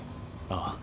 ああ。